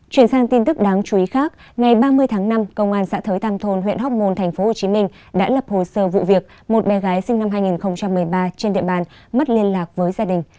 chuyển sang tin tức đáng chú ý khác ngày ba mươi tháng năm công an xã thới tam thôn huyện hóc môn tp hcm đã lập hồ sơ vụ việc một bé gái sinh năm hai nghìn một mươi ba trên địa bàn mất liên lạc với gia đình